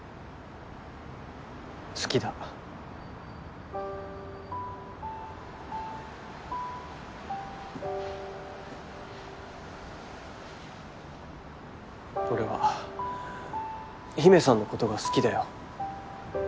好きだ俺は陽芽さんのことが好きだよ